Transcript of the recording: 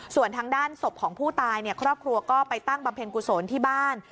ส่วนทางด้านศพของผู้ตายครอบครัวก็ไปตั้งบำเพ็ญกุศลที่บ้าน